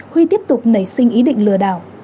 huy tiếp tục nảy sinh ý định lừa đảo